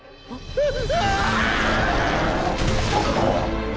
あっ。